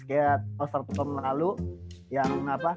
kayak all star tahun lalu yang